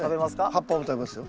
葉っぱも食べますよ。